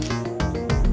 iya gak tau